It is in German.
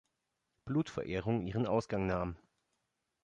Blut-Verehrung ihren Ausgang nahm.